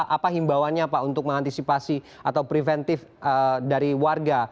apa himbawannya pak untuk mengantisipasi atau preventif dari warga